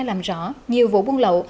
làm rõ nhiều vụ buôn lậu